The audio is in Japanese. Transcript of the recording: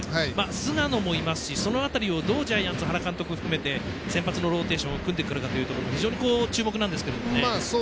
菅野もいますしその辺りをどうジャイアンツ原監督を含めて先発のローテーション組んでくるか非常に注目なんですよね。